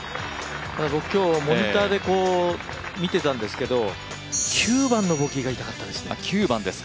僕、今日モニターで見てたんですけど９番のボギーが痛かったですね。